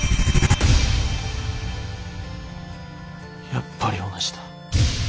やっぱり同じだ。